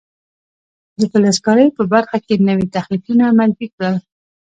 د فلز کارۍ په برخه کې نوي تخنیکونه معرفي کړل.